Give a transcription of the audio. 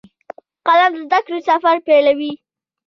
قلم د زده کړې سفر پیلوي